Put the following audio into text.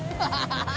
ハハハハ！